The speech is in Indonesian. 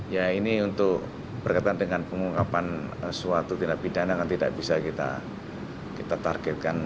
ya ini untuk berkaitan dengan pengungkapan suatu tindak pidana kan tidak bisa kita targetkan